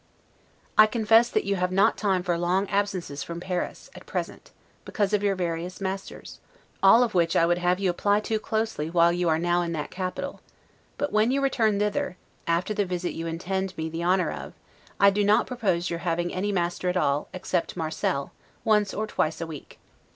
I confess you have not time for long absences from Paris, at present, because of your various masters, all which I would have you apply to closely while you are now in that capital; but when you return thither, after the visit you intend me the honor of, I do not propose your having any master at all, except Marcel, once or twice a week.